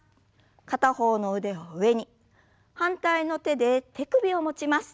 片方の腕を上に反対の手で手首を持ちます。